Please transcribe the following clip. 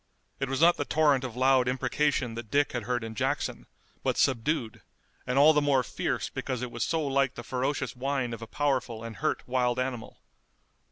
It was not the torrent of loud imprecation that Dick had heard in Jackson, but subdued, and all the more fierce because it was so like the ferocious whine of a powerful and hurt wild animal.